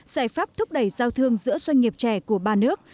giải pháp thúc đẩy giao thương giữa doanh nghiệp trẻ của ba nước